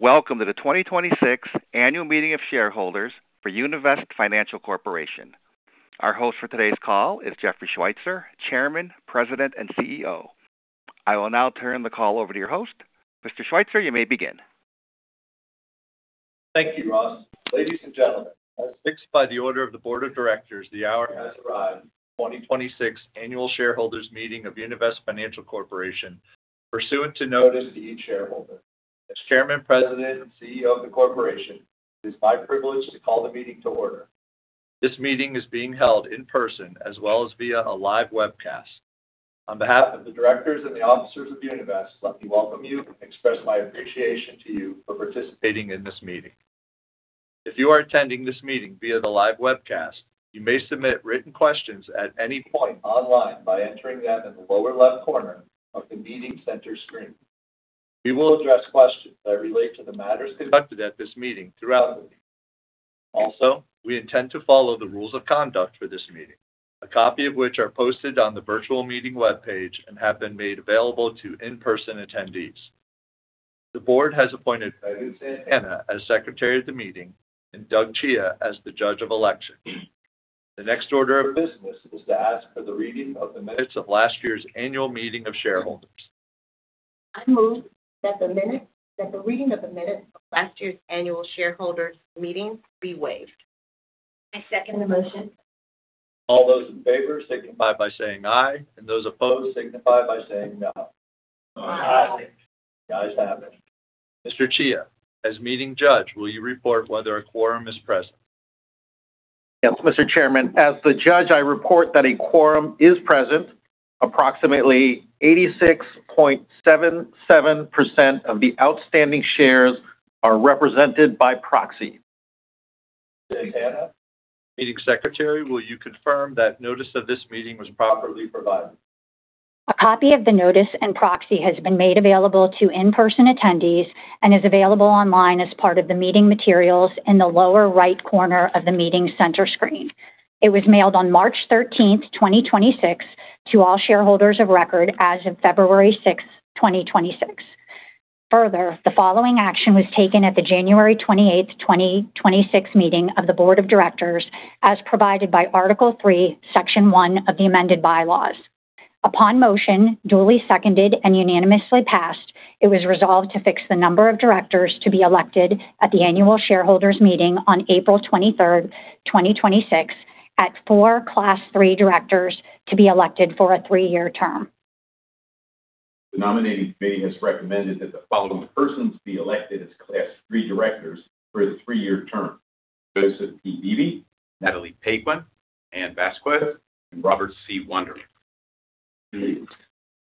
Welcome to the 2026 Annual Meeting of Shareholders for Univest Financial Corporation. Our host for today's call is Jeffrey Schweitzer, Chairman, President, and CEO. I will now turn the call over to your host. Mr. Schweitzer, you may begin. Thank you, Ross. Ladies and gentlemen, as fixed by the order of the Board of Directors, the hour has arrived. The 2026 Annual Shareholders Meeting of Univest Financial Corporation, pursuant to notice to each shareholder. As Chairman, President, and CEO of the corporation, it is my privilege to call the meeting to order. This meeting is being held in person as well as via a live webcast. On behalf of the directors and the officers of Univest, let me welcome you and express my appreciation to you for participating in this meeting. If you are attending this meeting via the live webcast, you may submit written questions at any point online by entering them in the lower left corner of the meeting center screen. We will address questions that relate to the matters conducted at this meeting throughout the meeting. Also, we intend to follow the rules of conduct for this meeting, a copy of which are posted on the virtual meeting webpage and have been made available to in-person attendees. The board has appointed Megan Santana as Secretary of the meeting and Doug Chia as the Judge of Election. The next order of business is to ask for the reading of the minutes of last year's annual meeting of shareholders. I move that the reading of the minutes of last year's annual shareholders meeting be waived. I second the motion. All those in favor signify by saying aye, and those opposed signify by saying no. Aye. The ayes have it. Mr. Chia, as meeting judge, will you report whether a quorum is present? Yes, Mr. Chairman. As the Judge, I report that a quorum is present. Approximately 86.77% of the outstanding shares are represented by proxy. Ms. Santana, meeting secretary, will you confirm that notice of this meeting was properly provided? A copy of the notice and proxy has been made available to in-person attendees and is available online as part of the meeting materials in the lower right corner of the meeting center screen. It was mailed on March 13th, 2026, to all shareholders of record as of February 6th, 2026. Further, the following action was taken at the January 28th, 2026, meeting of the Board of Directors as provided by Article 3, Section 1 of the amended bylaws. Upon motion, duly seconded and unanimously passed, it was resolved to fix the number of directors to be elected at the annual shareholders meeting on April 23rd, 2026, at four Class III directors to be elected for a three-year term. The Nominating Committee has recommended that the following persons be elected as Class III directors for the three-year term: Joseph P. Beebe, Natalye Paquin, Anne Vazquez, and Robert C. Wonderling.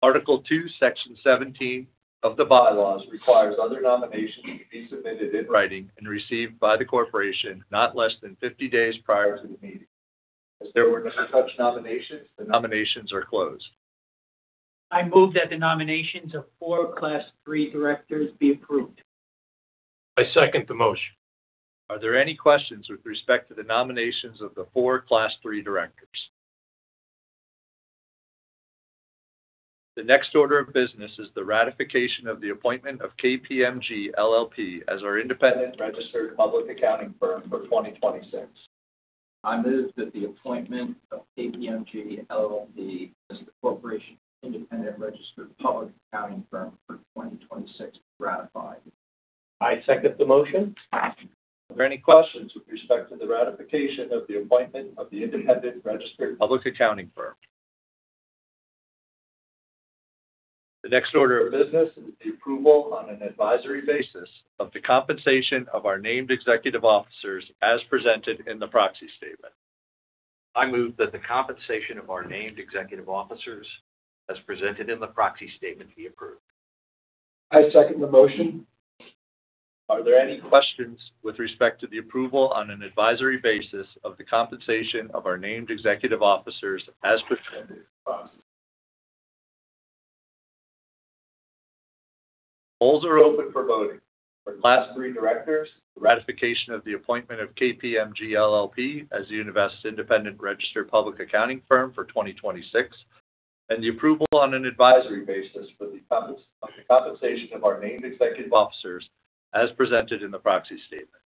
Article 2, Section 17 of the bylaws requires other nominations be submitted in writing and received by the corporation not less than 50 days prior to the meeting. As there were no such nominations, the nominations are closed. I move that the nominations of four Class III directors be approved. I second the motion. Are there any questions with respect to the nominations of the four Class III directors? The next order of business is the ratification of the appointment of KPMG LLP as our independent registered public accounting firm for 2026. I move that the appointment of KPMG LLP as the corporation's independent registered public accounting firm for 2026 be ratified. I second the motion. Are there any questions with respect to the ratification of the appointment of the independent registered public accounting firm? The next order of business is the approval on an advisory basis of the compensation of our named executive officers as presented in the proxy statement. I move that the compensation of our named executive officers as presented in the proxy statement be approved. I second the motion. Are there any questions with respect to the approval on an advisory basis of the compensation of our named executive officers as presented? The polls are open for voting for Class III directors, the ratification of the appointment of KPMG LLP as Univest's independent registered public accounting firm for 2026, and the approval on an advisory basis for the compensation of our named executive officers as presented in the proxy statement.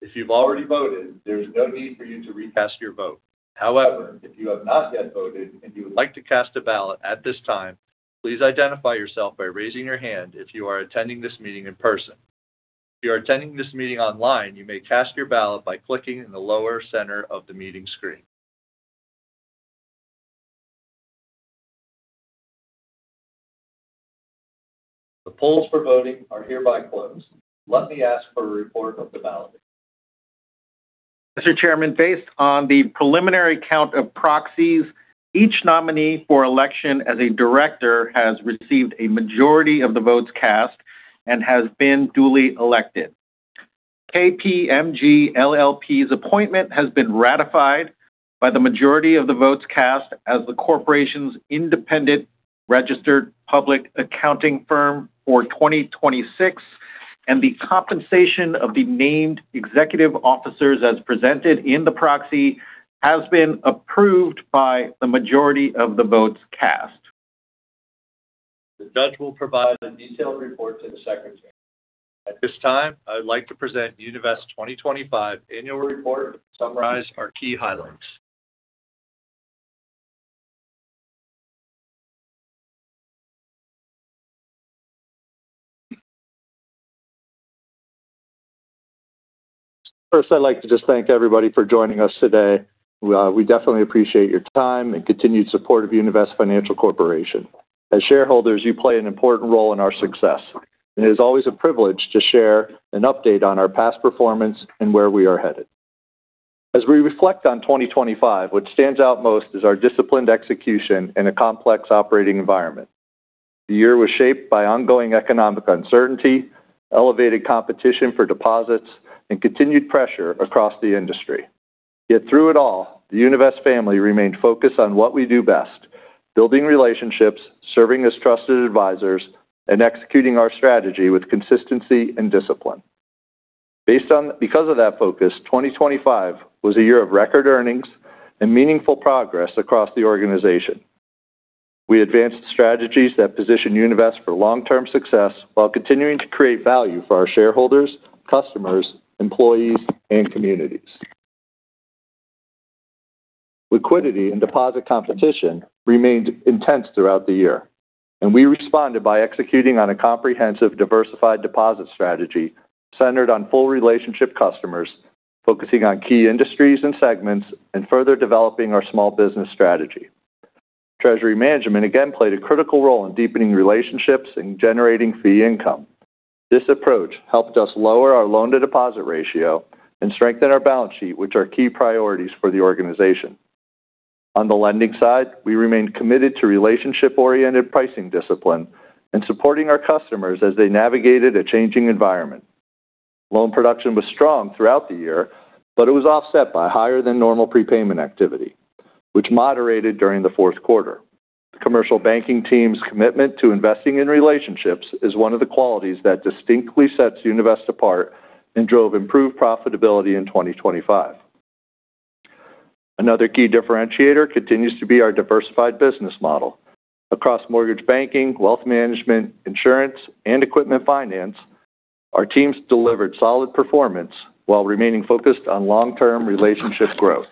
If you've already voted, there's no need for you to recast your vote. However, if you have not yet voted and you would like to cast a ballot at this time, please identify yourself by raising your hand if you are attending this meeting in person. If you are attending this meeting online, you may cast your ballot by clicking in the lower center of the meeting screen. The polls for voting are hereby closed. Let me ask for a report of the ballot. Mr. Chairman, based on the preliminary count of proxies, each nominee for election as a director has received a majority of the votes cast and has been duly elected. KPMG LLP's appointment has been ratified by the majority of the votes cast as the corporation's independent registered public accounting firm for 2026, and the compensation of the named executive officers as presented in the proxy has been approved by the majority of the votes cast. The judge will provide a detailed report to the secretary. At this time, I'd like to present Univest 2025 annual report and summarize our key highlights. First, I'd like to just thank everybody for joining us today. We definitely appreciate your time and continued support of Univest Financial Corporation. As shareholders, you play an important role in our success, and it is always a privilege to share an update on our past performance and where we are headed. As we reflect on 2025, what stands out most is our disciplined execution in a complex operating environment. The year was shaped by ongoing economic uncertainty, elevated competition for deposits, and continued pressure across the industry. Yet through it all, the Univest family remained focused on what we do best, building relationships, serving as trusted advisors, and executing our strategy with consistency and discipline. Because of that focus, 2025 was a year of record earnings and meaningful progress across the organization. We advanced strategies that position Univest for long-term success while continuing to create value for our shareholders, customers, employees, and communities. Liquidity and deposit competition remained intense throughout the year, and we responded by executing on a comprehensive, diversified deposit strategy centered on full relationship customers, focusing on key industries and segments, and further developing our small business strategy. Treasury management again played a critical role in deepening relationships and generating fee income. This approach helped us lower our loan-to-deposit ratio and strengthen our balance sheet, which are key priorities for the organization. On the lending side, we remained committed to relationship-oriented pricing discipline and supporting our customers as they navigated a changing environment. Loan production was strong throughout the year, but it was offset by higher than normal prepayment activity, which moderated during the fourth quarter. Commercial banking team's commitment to investing in relationships is one of the qualities that distinctly sets Univest apart and drove improved profitability in 2025. Another key differentiator continues to be our diversified business model. Across mortgage banking, wealth management, insurance, and equipment finance, our teams delivered solid performance while remaining focused on long-term relationship growth.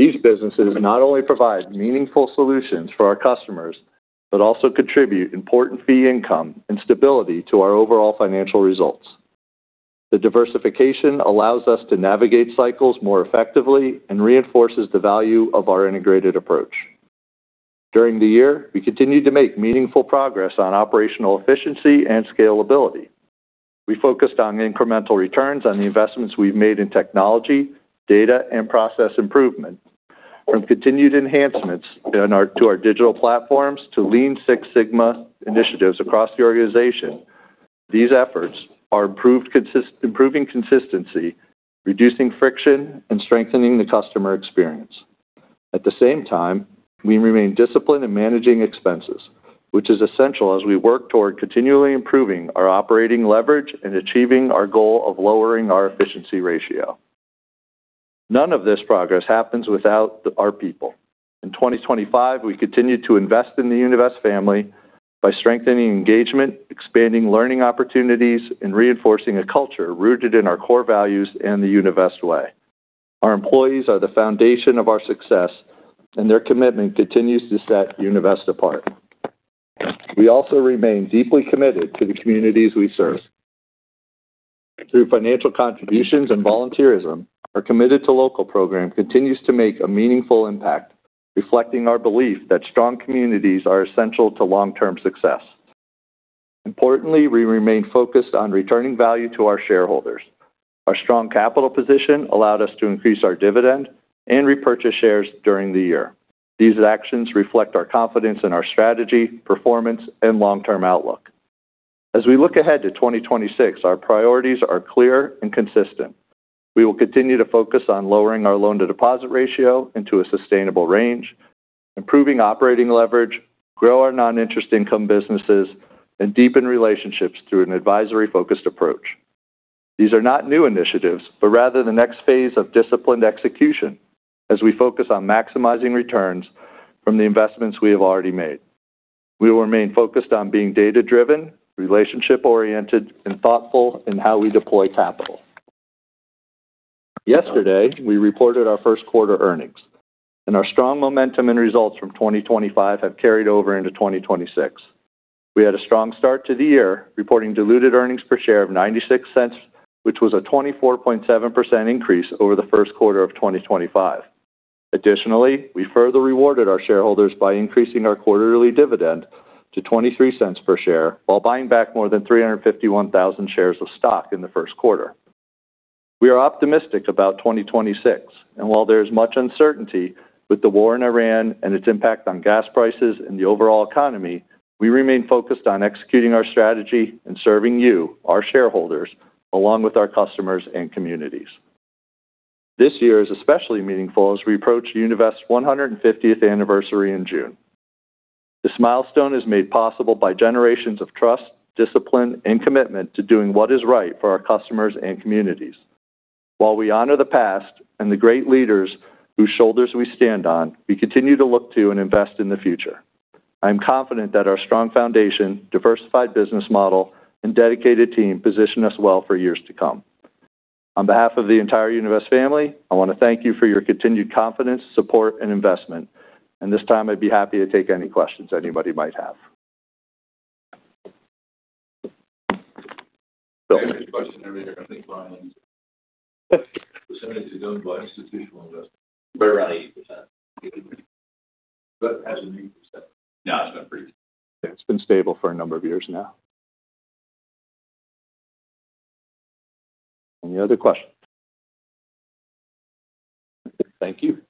These businesses not only provide meaningful solutions for our customers, but also contribute important fee income and stability to our overall financial results. The diversification allows us to navigate cycles more effectively and reinforces the value of our integrated approach. During the year, we continued to make meaningful progress on operational efficiency and scalability. We focused on incremental returns on the investments we've made in technology, data, and process improvement. From continued enhancements to our digital platforms to Lean Six Sigma initiatives across the organization, these efforts are improving consistency, reducing friction, and strengthening the customer experience. At the same time, we remain disciplined in managing expenses, which is essential as we work toward continually improving our operating leverage and achieving our goal of lowering our efficiency ratio. None of this progress happens without our people. In 2025, we continued to invest in the Univest family by strengthening engagement, expanding learning opportunities, and reinforcing a culture rooted in our core values and the Univest Way. Our employees are the foundation of our success, and their commitment continues to set Univest apart. We also remain deeply committed to the communities we serve. Through financial contributions and volunteerism, our Committed To Local program continues to make a meaningful impact, reflecting our belief that strong communities are essential to long-term success. Importantly, we remain focused on returning value to our shareholders. Our strong capital position allowed us to increase our dividend and repurchase shares during the year. These actions reflect our confidence in our strategy, performance, and long-term outlook. As we look ahead to 2026, our priorities are clear and consistent. We will continue to focus on lowering our loan-to-deposit ratio into a sustainable range, improving operating leverage, grow our non-interest income businesses, and deepen relationships through an advisory-focused approach. These are not new initiatives, but rather the next phase of disciplined execution as we focus on maximizing returns from the investments we have already made. We will remain focused on being data-driven, relationship-oriented, and thoughtful in how we deploy capital. Yesterday, we reported our first quarter earnings, and our strong momentum and results from 2025 have carried over into 2026. We had a strong start to the year, reporting diluted earnings per share of $0.96, which was a 24.7% increase over the first quarter of 2025. Additionally, we further rewarded our shareholders by increasing our quarterly dividend to $0.23 per share while buying back more than 351,000 shares of stock in the first quarter. We are optimistic about 2026, and while there is much uncertainty with the war in Ukraine and its impact on gas prices and the overall economy, we remain focused on executing our strategy and serving you, our shareholders, along with our customers and communities. This year is especially meaningful as we approach Univest's 150th anniversary in June. This milestone is made possible by generations of trust, discipline, and commitment to doing what is right for our customers and communities. While we honor the past and the great leaders whose shoulders we stand on, we continue to look to and invest in the future. I'm confident that our strong foundation, diversified business model, and dedicated team position us well for years to come. On behalf of the entire Univest family, I want to thank you for your continued confidence, support, and investment. This time, I'd be happy to take any questions anybody might have. I have a question. I think, Brian, what percentage is owned by institutional investors? Right around 8%. Okay. As a main %? No, it's been pretty. It's been stable for a number of years now. Any other questions? Thank you.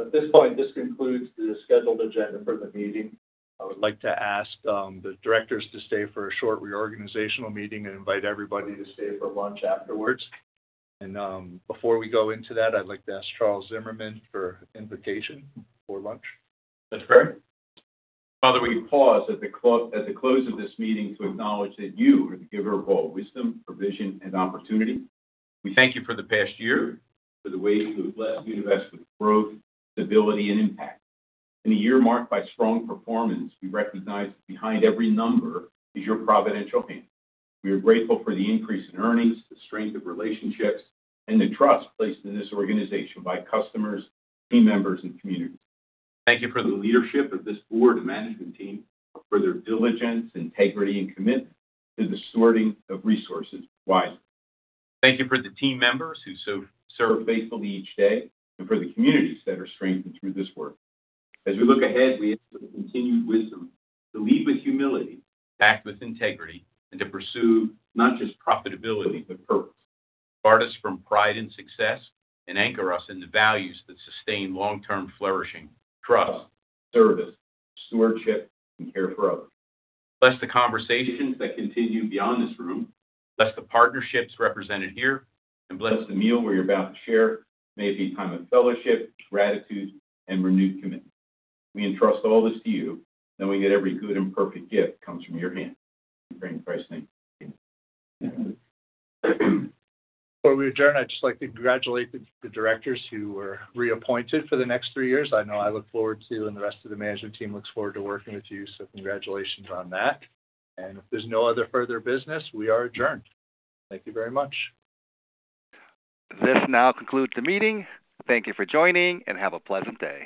At this point, this concludes the scheduled agenda for the meeting. I would like to ask the directors to stay for a short reorganizational meeting and invite everybody to stay for lunch afterwards. Before we go into that, I'd like to ask Charles Zimmerman for invocation for lunch. That's fair. Father, we pause at the close of this meeting to acknowledge that you are the giver of all wisdom, provision, and opportunity. We thank you for the past year, for the ways you have blessed Univest with growth, stability, and impact. In a year marked by strong performance, we recognize behind every number is your providential hand. We are grateful for the increase in earnings, the strength of relationships, and the trust placed in this organization by customers, team members, and communities. Thank you for the leadership of this board and management team, for their diligence, integrity, and commitment to stewarding resources wisely. Thank you for the team members who serve faithfully each day and for the communities that are strengthened through this work. As we look ahead, we ask for the continued wisdom to lead with humility, act with integrity, and to pursue not just profitability, but purpose. Guard us from pride and success, and anchor us in the values that sustain long-term flourishing, trust, service, stewardship, and care for others. Bless the conversations that continue beyond this room, bless the partnerships represented here, and bless the meal we're about to share. May it be a time of fellowship, gratitude, and renewed commitment. We entrust all this to you, knowing that every good and perfect gift comes from your hand. We pray in Christ's name. Amen. Before we adjourn, I'd just like to congratulate the directors who were reappointed for the next three years. I know I look forward to, and the rest of the management team looks forward to working with you, so congratulations on that. If there's no other further business, we are adjourned. Thank you very much. This now concludes the meeting. Thank you for joining, and have a pleasant day.